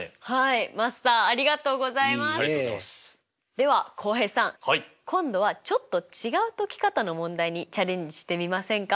では浩平さん今度はちょっと違う解き方の問題にチャレンジしてみませんか？